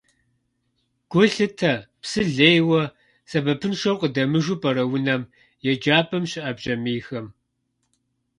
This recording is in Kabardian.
Гу лъытэ, псы лейуэ, сэбэпыншэу къыдэмыжу пӀэрэ унэм, еджапӀэм щыӀэ бжьамийхэм.